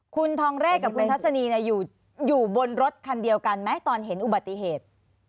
คุณทองเรศกับคุณทัศนีอยู่บนรถคันเดียวกันไหมตอนเห็นอุบัติเหตุ